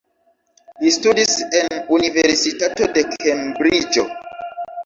Li studis en Universitato de Kembriĝo.